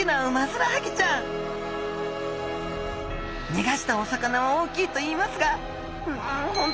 にがしたお魚は大きいと言いますがん